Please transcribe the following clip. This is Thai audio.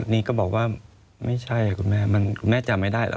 แล้วนี่ก็บอกว่าเป็นไงที่คุณแม่เจอไม่ได้เหรอ